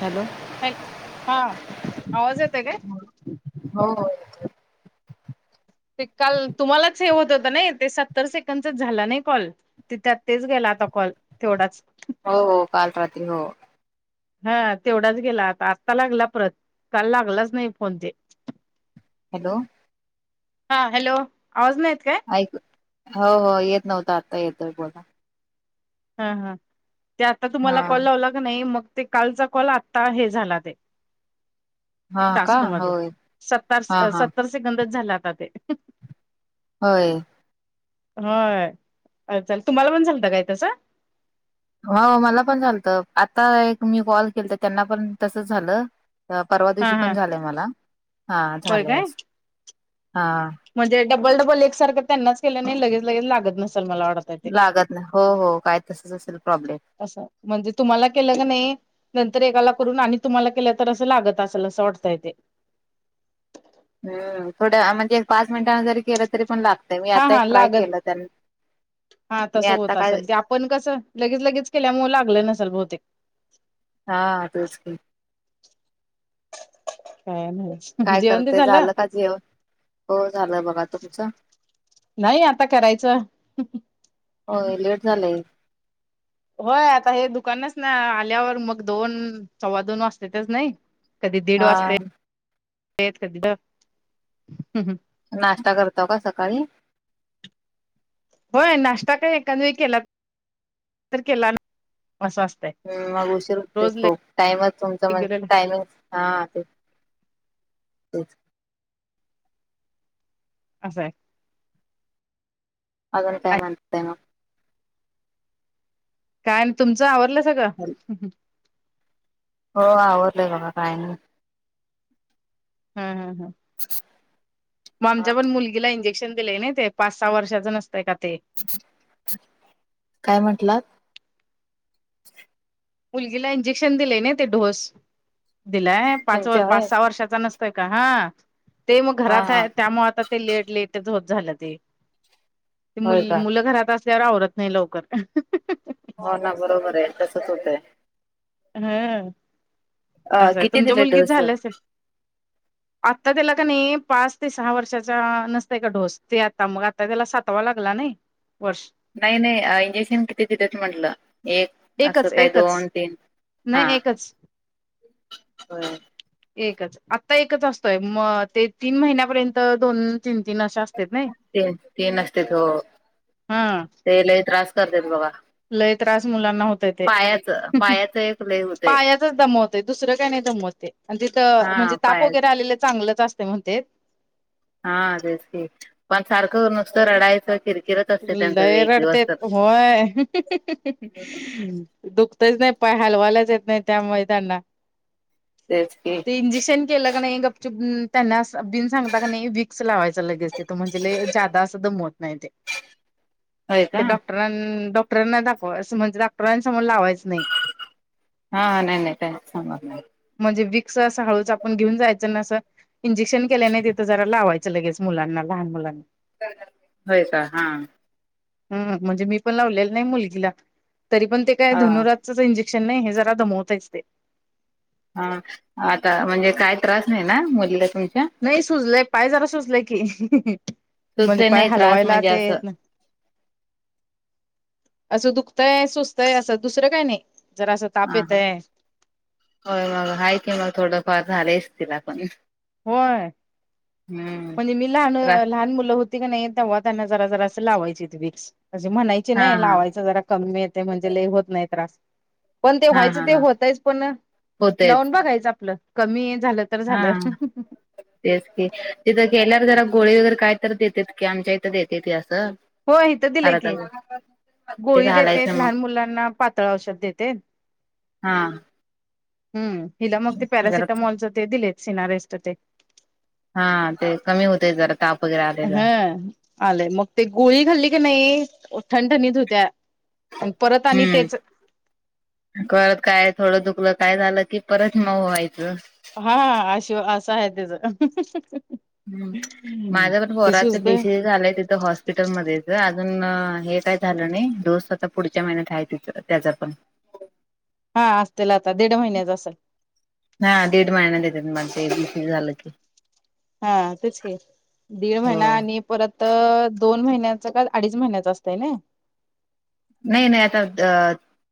Hello हॅल हा आवाज येतय काय? होय. ते काल तुम्हालाच हे होत होता नाय ते सत्तर सेकंडचाच झाला नाही कॉल ते त्यात तेच गेला आता कॉल तेवढाच हो हो काल रात्री हो. हं तेवढाच गेला आता आत्ता लागला परत काल लागलाच नाही फोन ते हॅलो हा हॅलो, आवाज नाहीत काय? ऐक हो हो येत नव्हता आत्ता येतोय बोल हा हा ते आता हा तुम्हाला कॉल लावला का नाही मग ते कालचा कॉल आता हे झाला ते हा का टास्क मध्ये होय सतर हा हा सत्तर सेकंदच झालं आता ते होय. होय हालचाल, तुम्हांला पण झालंत काय तसं? हो मला पण झालतं आता एक मी कॉल केलता त्यांना पण तसचं झालं. परवा हा दिवशी हा पण झालंय मला हा होय काय झालंय हा म्हणजे डबल डबल एक सारखं त्यांनाच केलं नाही लगेच लगेच लागत नसेल मला वाटतं लागत नाही हो हो काय तसंच असेल प्रॉब्लेम असं म्हणजे तुम्हाला केलं का नाही नंतर एकाला करून आणि तुम्हांला केलं तर असं लागत असेल असं वाटतयं ते हं थोड्या म्हणजे पाच मिनटांन जरी केलं तरी पण लाग मी हा आता एक हा ट्राय लागत केलं त्यां मी आता काय पण कसं लगेच लगेच केल्यामुळे लागलं नसल बहुतेक हा तोच की काय माहित काय करताय झालं का जेवन? हो झालं बघा तुमचं नाही आता करायचं होय लेट झालंय. होय आता हे दुकानास्न आल्यावर मग दोन सव्वा दोन वाजत्यातच नाही. कधी दीड हा वाजतोय कधी द नाष्टा करताव का सकाळी? होय नाष्टा काय एखाद वेळी केला तर केला असं असतंय. हम् मग उशीर होते रोज खूप टाइमच तुमच म्हण रेग्युलर टाइमिंग हा ते तेच असं हाय अजून काय म्हणताय म काय आणि तुमचं आवरलं सगळं? हो आवरलंय बघा बायांनी हं हं हं [inaudible] मग आमच्या हा पण मुलगीला इंजेक्शन दिलेय ना ते पाच सहा वर्षाच नसतय का ते काय म्हटलात? मुलगीला इंजेक्शन दिलेय नाही ते डोस दिलाय पाच तुमच्या पाच होय सहा वर्षाचा नस तोय का हा ते मग हा घरात हा आहे त्यामुळे आता ते लेट लेट होत झालं ते होय मूल का मुलं घरात अस त्यावर आवरत नाही लवकर हो ना बरोबर आहे तसंच होतयं हा अ असं आहे किती तुमच्या दिले मुलगीच डोसवर झालं असेल. आत्ता त्याला का नाही पाच ते सहा वर्षाचा नसतयं का ढोस ते आता मग आता त्याला सातवा लागला नाही. वर्ष नाही नाही इंजेक्शन किती देत्यात म्हटलं एक असं एकच काय एकच दोन तीन हा नाही एकच होय एकच आता एकच असतोय म ते तीन महिन्यापर्यंत दोन तीन तीन अशे असत्यात नाही तीन तीन असतेत हो हम ते लई त्रास करत्यात बघा. लय त्रास मुलांना हो पायाच पायाच एक लय होतय पायातच दमवत दुसरं काही नाही दमवते आणि तिथं म्हणज हा तप पाया वगैरे आलेलं चांगलंच असत ते म्ह ते हा रच की पण सारखं नुसतं रडायचं किरकिर लै रडते होय. दुखतच नाही पाय हलवायलाच येत नाही त्यामुळे त्यांना तेच की. ते इंजेक्शन केलं का नाही गपचुप त्यांना बिन सांगता का नाही विक्स लावायचं लगेच त म्हणजे ज जादा असं दमवत नाही ते होय का ते डॉक्टरां डॉक्टरांना दाखवा असं म्हणजे डॉक्टरां समोर लावायचं नाही. हा न नाही त्यां सां म्हणजे विक्स असं हळूच आपण घेऊन जायचं ना असं इंजेक्शन केल्या नाही तथं जरा लावायचं. लगेच मुलांना लहान मुलांना होय का हा हम म्हणजे मी पण लावलेलं नाही मुलगीला तरी पण ते काय ह धनुरावाद इंजेक्शन नाही हे जरा दमवताच ते हा आता म्हणजे काय त्रास नाही ना मुलीला तुमच्या नाही सुजलंय पाय जरा सुजलेय की म्हणजे सुचले पाय नाही त्रास हलवायला म्हणजे असं तेेत ना, असं दुखतंय सुचतंय असं दुसरं काय नाही जर असं ताप हा येतय. होय मग आहेा कि मग थोडंफार झालंच तिला पण होय हम्म म्हणजे मी लहान त्रास लहान मुलं होती. नाही तेव्हा त्यांना जरा जरा असं लावायचे विक्स असे म्हणायचे हा नाही हा लावायचं जरा कमी येते म्हणजे ले होत नाही त्रास पण ते हा व्हायचं हा ते हा होतयच पण होतयच लावून बघायचं आपलं कमी झालं. हा ह तेच की तिथं केल्यावर जरा गोळी वगैरे काय तर देतेत की आमच्या इथं देते असं. हो इथं दिलंय अर्धा की, ते गोळी देते घालायचं मग लहान मुलांना पातळ औषध देते. हा हम्म हिला मग ते जरा पॅरासिटामॉलच ते दिले सिनारेस्ट ते हा ते कमी होते जरा ताप वगैरे आलेला हा आलंय मग ते गोळी खाल्ली की नाही ठणठणीत होत्या. आणि परत आणि त्याच हम्म करत काय थोडं दुखलं काय झालं की परत मग व व्हायचं. हा अशि असं आहे त्याचं- ह माझ्या पण बोराच बीसी झालंय तिथं हॉस् हॉस्पिटलमध्येध्येच अजून हे काय झालं नाही डोस आता पुढच्या महिन्यात आहे ति त्याचा पण हा असतीलल आता दीड महिन्याच असेल. ह दीड महिना देते माण झालं की. हा तेच हे दीड हो महिना आणि परत दोन महिन्याच का अडीच महिन्याच असतंय ना, नाही नाही आता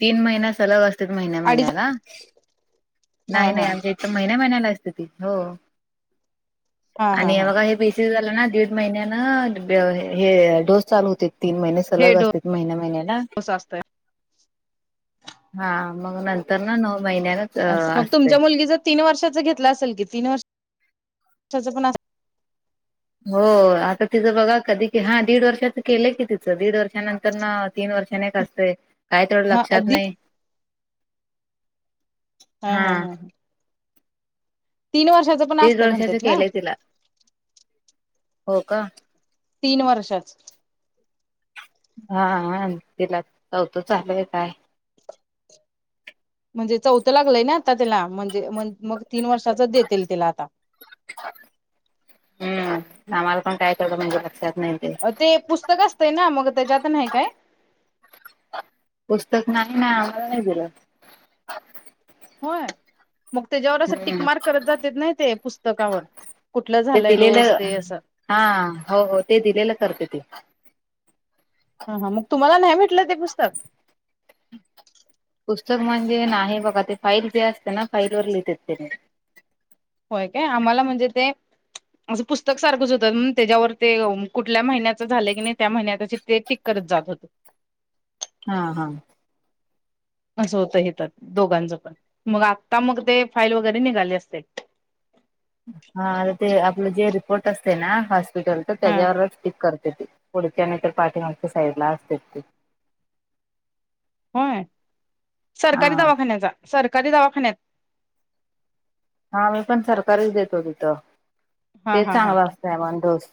तीन महिन्या सलग असतात महिन्या अडीच महिन्याला हा नाही नाही हा आमच्या इथ महिन्या महिन्याला असते ती हो हा हा आणि हा बघ हे बीस झालं ना दीड महिन्यान हे डोस चालू होते. तीन महिने हे सलग असते महिन्या महिन्याला डोसा असतोय हा मग नंतर ना नऊ महिन्यान अस मग तुमच्या मुलगी जर तीन वर्षाच घेतला असेल की तीन वर्षा पण हो आता तिचं बघा कधी की हा दीड वर्षाच केलं की तिचं दीड वर्षानंतर न तीन वर्षाने काय ते थोडं हा लक्षात अदी नाही... हा हा हा ह.... तीन वर्षा.... दीड वर्षाचे केलेय तिला हो का? तीन वर्षाचं....... हा आणि तिला चौतं चालूय काय? म्हणजे चौथं लागलंय ना आता त्याला म्हणजे मग तीन वर्षाचच देेते त्याला आता.... हम्म आम्हाला पण काय तेतं म्हणजे लक्षात नाही... ते पुस्तक असतं ना मग त्याच्यात नाही काय? पुस्तक नाही नाही आला नाही तुला.... हो.... मग त्याच्यावर असं टीक हम्म मार्क करत जातेत नाही ते पुस्तकावर कुठलं ते झालंय दिलेलं डोस ते असं.... हा हो हो ते दिलेलं करते ते.... हा हा मग तुम्हाला नाही भेटलं ते पुस्तक.... पुस्तक म्हणजे नाही बघा ते फाईल जे असते ना फाईल वर लिहितात त्याने.... होय काय आम्हाला म्हणजे ते.... असं पुस्तक सारखंच होतं त्याच्यावर ते कुठल्या महिन्याच झालं की नाही त्या महिन्या... ते टीक करत जात होत.... हा हा.... असं होतं हेे तर दोघांचं पण..... मग आत्ता मग ते फाईल वगैरे निघाले असते... हा आ ते आपलं जे रिपोर्ट असते ना हॉस्पिटल तर हा त्याच्यावरच करते.... डक्यानेतर पाठी मागच्या साईड ला असते ते... होय हा सरकारी दवाखान्याचा सरकारी दवाखान्याचा.... हा मी पण सरकारीच देतो तिथं हा तेच हा हा चांगलं असतंय म्हणे डोस....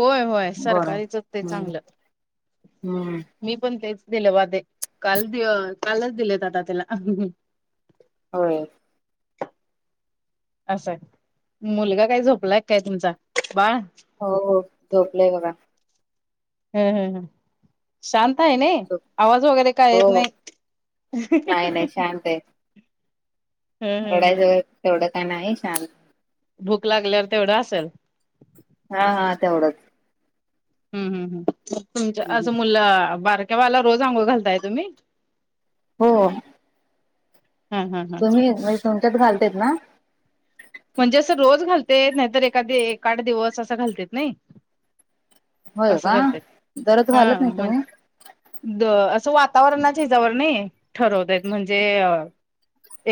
होय होय गरम सरकारीच असते हम्म चांगलं..... हम्म मी पण तेच दिले वादे काल दि कालच दिलेत आता त्याला.... होय... असं आहे मुलगा काय झोपलाय काय तुमचा बाळ... हो झोपलंय बघा..... हम् हम् हम.... शांत आहे ना झोप आवाज वगैरे काय हो येत नाही.... म्ह ते.... ह ह एवढा ह ज तेवढं का नाही छान.... भूक लागल्यावर तेवढं असेल... हा हा तेवढंच.... हम् हम्म ह तुमच असं मुललं बारक्याबाळाला रोज अंघोळ घालताय तुम्ही..... हो.... हा हा हा तुम्ही म्हणजे सोमट्यात घालता ना.... म्हणजे असं रोज घालते नाहीतर एखादी ए आठ दिवस असं घालत नाही.... होय असं का करते दररोज हा घालत नाही म.... तुम्ही द असं वातावरणाच्या हिच्यावर नाही ठरवतेत म्हणजे.....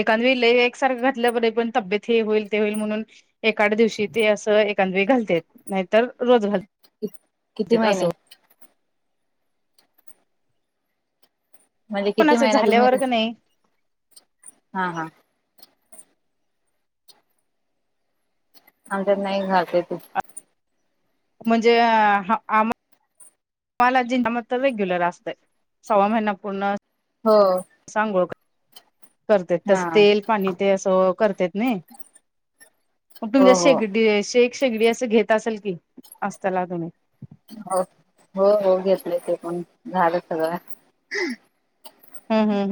एखाद्या वेळी एकसारखं घातल्याब पण तब्येत हे होईल... होईल म्हणून एका दिवशी ते असं एखादं वेळी घालते नाहीतर रोज घाल... कि किती महिने.... म्हणजे किती कोणाचं महिना तुम्ही झाल्यावर का नाही... हा हां.... आमच्या नाही घालत्यात.... म्हणजे आम्हा... मला जिं म तर रेग्युलर असत सव्वा महिन्या पूर्ण.... हो सांगोळ करत हा तस तेल पाणी ते असं करतेत नाही मग हो तुमच्यात हो शेगडी शेक शेगडी असं घेत असेल की असताला तुम्ही हो हो हो घेतले ते पण झालं सगळं हम् हम्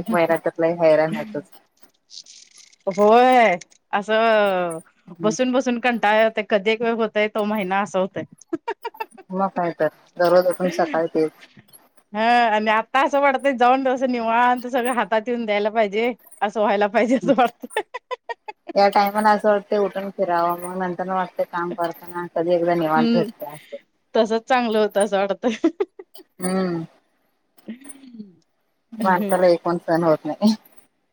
एक महिना तसला हैराणतच होय असं बसून बसून कंटाळता कधी एक वेळं होतय तो महिना असं होतय मग का तर दररोज अठून सकाळी तेच हा आणि आत्ता असं वाटतय जाऊनसं निवात तर सगळं हातात येऊन द्यायला पाहिजे असं व्हायला पाहिजे असं वाटत या टाइमाला असं वाटतते उठून फिरावं मग नंतर न वाटतय काम करताना कधी एकदा निवांत हम् भेटते अस तसच चांगलं होतं असं वाटतंय हम्म हम् माणसाला एक पण सहन होत नाही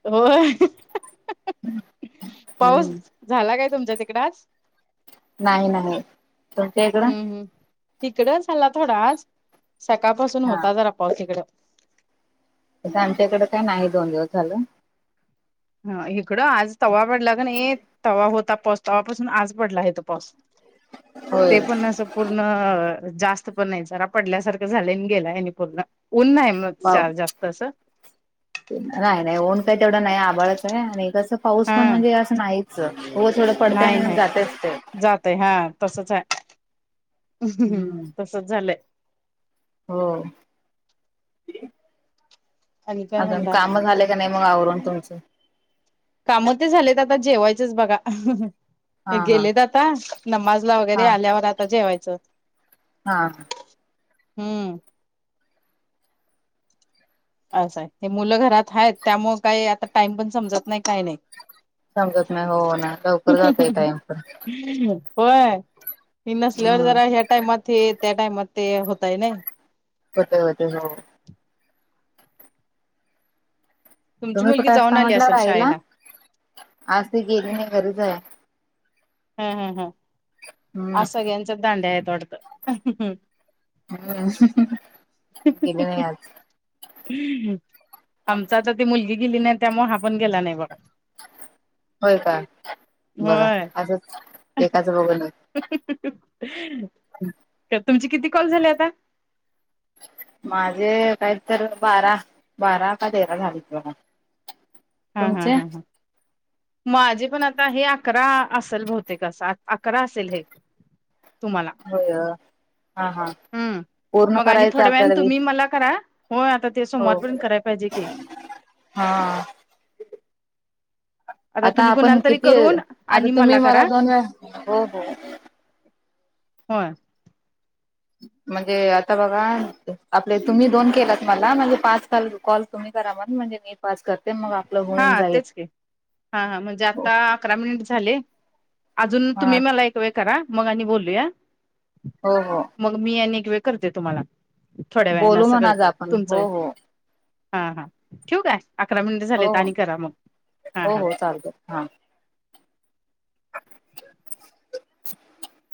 हो पाऊस हम्म झाला काय तुमच्या तिकड आज नाही नाही तुमच्या इकडं हम्म हम् इकडं झाल्ला थोडाच सकाळपासून हा होता जरा पाऊस तिकडं आमच्याकडे काय नाही दोन दिवस झालं ह इकडं आज तवा पडला कणी तवा होता पस तव्हापासून आज पडला इथं पाऊस होय ते पण असं पूर्ण जास्त पण नाही जरा पडल्यासारखं झालं गेला आहे पूर्ण ऊन नाही मग पाव चार जास्त असं नाही नाही ऊन काही तेवढं नाही आभाळच आहे आणि कसं पाऊस हा पण म्हणजे असं नाही हो थोडं पडते नाही आणि नाही जातच ते जातय हा तसच हाय हम्म. तसच झालंय हो आणि काय अजून म्हणताय काम झाले का नाही मग आवरून तुमचं काम ते झालेत आता जेवायचंच बघा हा हे हा गेलेत आता नमाजला वगैरे हा आल्यावर आता जेवायचं हा हम्म असं आहे हे मुलं घरात आहेत त्यामुळे काही आता टाइम पण समजत नाही काही नाही समजत नाही हो ना लवकर जातय नाही. टाईम पण होय ती नसल्यावर हम्म जरा ह्या टाइमात त्या टाइमात ते होतय नाही होतय होते हो तुमची तुम्ही मुलगी कुठे जाऊन असता आली म्हटला असेल राहिला शाळेला. आज त गेली नाही घरीच हाय हम् हम् हम आज सळ्यांचच दांड्या आहेत वाटतं हम्म गेले नाही आज आमचा आता ती मुलगी गेली नाही त्यामुळे हा पण गेला नाही बघा होय का बघा होय. असच एकाचं बघून एक तर तुमचे किती कॉल झाले आता माझे काही तर बारा बारा का तेरा झालीत बघा हा हा तुमचे ह माझे पण आता हे अकरा असेल बहुतेक अस अकरा असेल हे तुम्हाला. हो हा हा हम्म. पूर्ण मग आणि करायचं थोड्या वेळाने आपल्याला बि तुम्ही मला करा. होय आता ते सोमवार पर्यंत कराय पाहिजे की हा आता तुम्ही आपण कुणाल तरी किती करून आता आणि तुम्ही मला करा दोन वेळा हो हो होय म्हणजे आता बघा आपले तुम्ही दोन केलात मला म्हणजे पाच साल कॉल तुम्ही करा म्हन म्हनजे मी पाच् कर हा तेच की हा हा म्हणजे आता अकरा मिनिट झाले अजून हा तुम्ही मला एक वेळ करा मग आणि बोलूया. हो हो. मग मी अनेक वेळ करते तुम्हाला थोड्या वेळने बोलू असं म्हणा आज करते आपण तुमचं हो हो हा हा ठेऊ काय? अकरा मिनिट हो झालेत आणि करा मग हा हो हा हो चालत हा [inaudible]